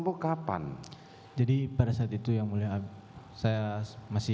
buka jaman kita dan tenggelam terima pluto protecting